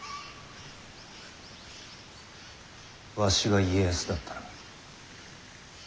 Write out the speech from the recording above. わしが家康だったら何とする？